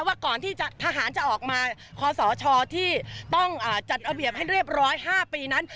ว่าก่อนที่ทหารจะออกมาคอสชที่ต้องจัดระเบียบให้เรียบร้อย๕ปีนั้น